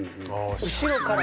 後ろから。